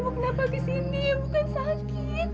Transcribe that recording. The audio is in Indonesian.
kamu kenapa kesini bukan sakit